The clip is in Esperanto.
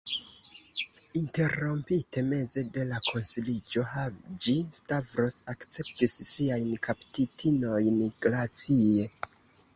Interrompite meze de la konsiliĝo, Haĝi-Stavros akceptis siajn kaptitinojn glacie.